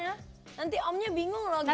nanti omnya bingung loh ganti